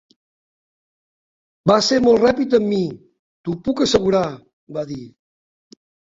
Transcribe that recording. "Va ser molt ràpid amb mi, t'ho puc assegurar!", va dir.